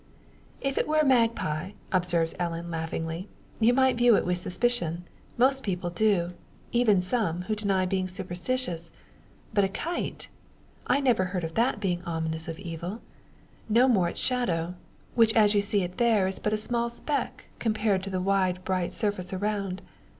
"If it were a magpie," observes Ellen, laughingly, "you might view it with suspicion. Most people do even some who deny being superstitious. But a kite I never heard of that being ominous of evil. No more its shadow; which as you see it there is but a small speck compared with the wide bright surface around.